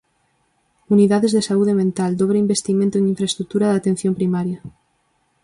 Unidades de saúde mental, dobre investimento en infraestrutura da atención primaria.